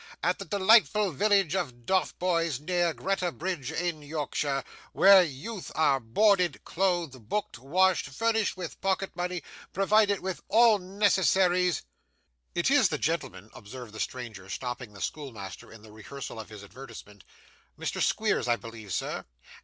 At the delightful village of Dotheboys, near Greta Bridge in Yorkshire, where youth are boarded, clothed, booked, washed, furnished with pocket money, provided with all necessaries ' 'It IS the gentleman,' observed the stranger, stopping the schoolmaster in the rehearsal of his advertisement. 'Mr. Squeers, I believe, sir?